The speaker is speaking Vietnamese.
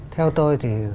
theo tôi thì